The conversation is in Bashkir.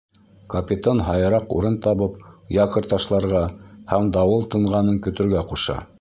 Капитан һайыраҡ урын табып якорь ташларға һәм дауыл тынғанын көтөргә ҡуша.